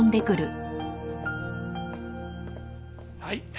はい。